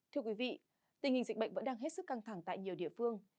thưa quý vị tình hình dịch bệnh vẫn đang hết sức căng thẳng tại nhiều địa phương